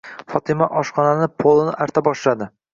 Fotima oshxonani polini arta boshladi.